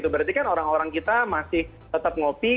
berarti kan orang orang kita masih tetap ngopi